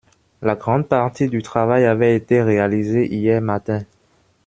La grande partie du travail avait été réalisée hier matin.